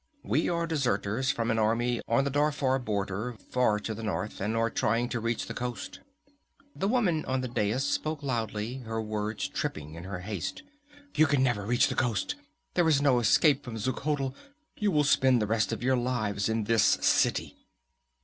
We are deserters from an army on the Darfar border, far to the north, and are trying to reach the coast." The woman on the dais spoke loudly, her words tripping in her haste. "You can never reach the coast! There is no escape from Xuchotl! You will spend the rest of your lives in this city!"